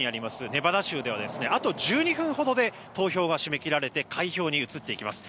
ネバダ州ではあと１２分ほどで投票が締め切られて開票に移っていきます。